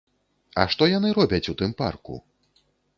А што яны робяць у тым парку?